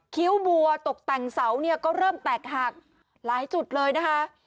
คิ้วบัวตกแต่งเสาเนี่ยก็เริ่มแตกหักหลายจุดเลยนะคะ